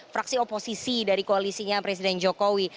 fraksi oposisi dari koalisinya presiden jokowi